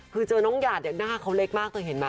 คือเจอน้องหหยาดเนื้อเด็กหน้าเขาเล็กมากเต็มเห็นมั้ย